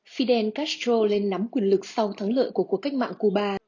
fidel castro lên nắm quyền lực sau thắng lợi của cuộc cách mạng cuba